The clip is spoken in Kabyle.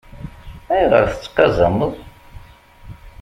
Ayɣer tettqazameḍ?